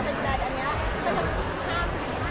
พี่เอ็มเค้าเป็นระบองโรงงานหรือเปลี่ยนไงครับ